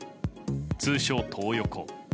通称、トー横。